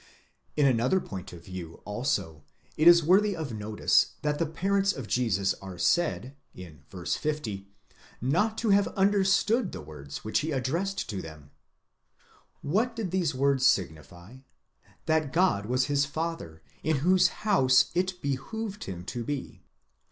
In another point of view also, it is worthy of notice that the parents of Jesus are said (v. 50) not to have understood the words which he addressed to them, What did these words signify? That God was his Father, in whose house it behoved him to be.